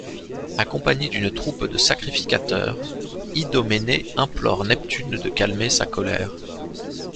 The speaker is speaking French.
Accompagné d'une troupe de sacrificateurs, Idoménée implore Neptune de calmer sa colère.